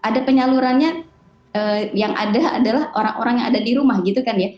ada penyalurannya yang ada adalah orang orang yang ada di rumah gitu kan ya